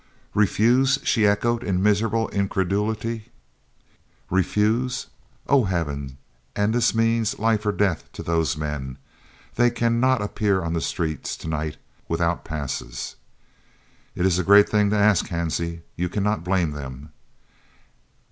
"Refuse!" she echoed in miserable incredulity. "Refuse! oh Heaven, and this means life or death to those men! They cannot appear on the streets to night without passes." "It is a great thing to ask, Hansie. You cannot blame them."